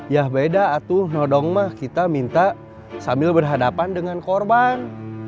ya beda atuh nodong mah kita minta sambil berhadapan dengan korban